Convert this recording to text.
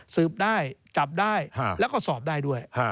สืบได้จับได้แล้วก็สอบได้ด้วย